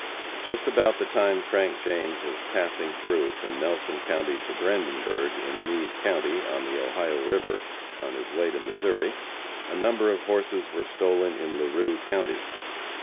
Just about the time Frank James was passing through from Nelson county to Brandenburg, in Meade county, on the Ohio river, on his way to Missouri, a number of horses were stolen in Larue county.